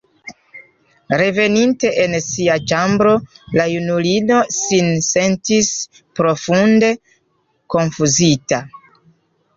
Reveninte en sia ĉambro, la junulino sin sentis profunde konfuzita.